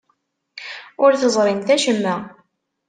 Ur teẓrimt acemma.